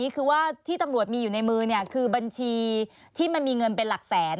คือบัญชีที่มันมีเงินเป็นหลักแสน